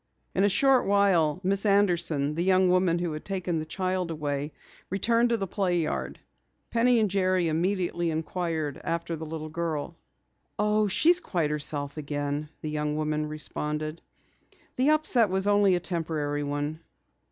In a short while, Miss Anderson, the young woman who had taken the child away, returned to the play yard. Penny and Jerry immediately inquired about the little girl. "Oh, she is quite herself again," the young woman responded. "The upset was only a temporary one."